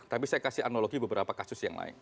tapi saya kasih analogi beberapa kasus yang lain